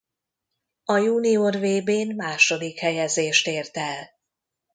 A junior vb-n második helyezést ért el.